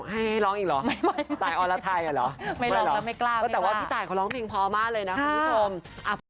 ไปหย่อมเบาเป็นคือเก่าโบไทยลืมได้เจ็บปาก